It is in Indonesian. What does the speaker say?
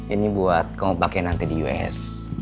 ini buat kamu pakai nanti di us